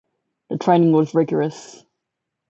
The training was rigorous.